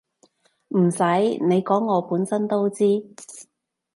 唔洗你講我本身都知